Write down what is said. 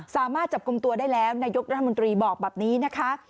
สามารถจับกลุ่มตัวได้แล้วนายกรัฐมนตรีบอกแบบนี้นะคะ